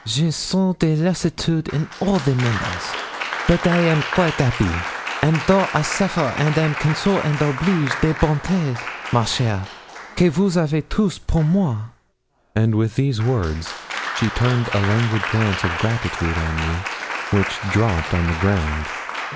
'Je sens des lassitudes in all the members but I am quaite 'appy, and though I suffer I am console and oblige des bontés, ma chère, que vous avez tous pour moi;' and with these words she turned a languid glance of gratitude on me which dropped on the ground.